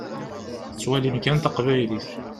Tettwalim kan taqbaylit.